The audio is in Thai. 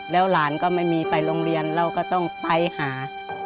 แล้วหลานก็ไม่มีไปโรงเรียนเราก็ต้องไปหา